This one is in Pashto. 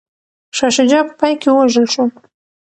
شاه شجاع په پای کي ووژل شو.